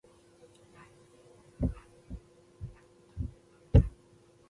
دهمدې اهرامونو شاته د فرعون یوه ستره مجسمه جوړه کړې وه.